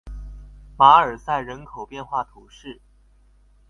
马尔赛人口变化图示